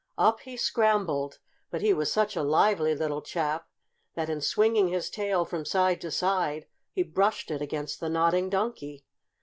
Up he scrambled, but he was such a lively little chap that in swinging his tail from side to side he brushed it against the Nodding Donkey.